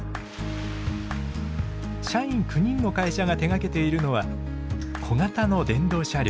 社員９人の会社が手がけているのは小型の電動車両。